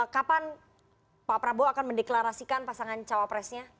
kapan pak prabowo akan mendeklarasikan pasangan cawapresnya